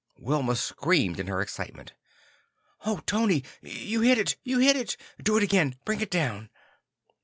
Wilma screamed in her excitement. "Oh, Tony, you hit it! You hit it! Do it again; bring it down!"